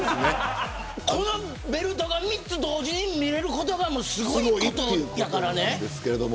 このベルトが３つ同時に見れることがすごいことやからね。